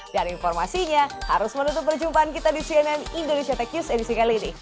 dan informasinya harus menutup perjumpaan kita di cnn indonesia tech news edisi kali ini